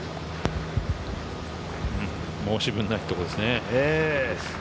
申し分ないところですね。